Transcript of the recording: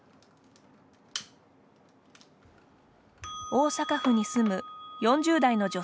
大阪府に住む４０代の女性です。